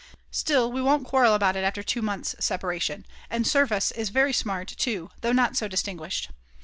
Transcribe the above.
Still, we won't quarrel about it after 2 months' separation, and Servus is very smart too though not so distinguished.